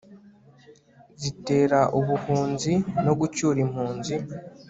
zitera ubuhunzi no gucyura impunzi